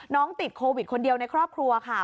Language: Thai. ติดโควิดคนเดียวในครอบครัวค่ะ